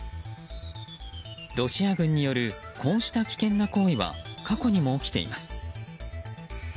ロシア軍によるこうした危険な行為は過去にも起きています。